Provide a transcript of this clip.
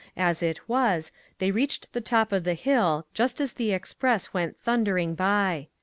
As it was, they reached the top of the hill just as the express went thundering by.